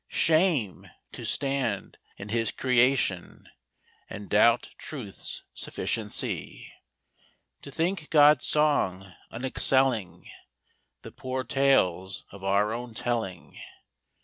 Shame ! to stand in His creation And doubt Truth's sufficiency! To think God's song unexcelling The poor tales of our own telling.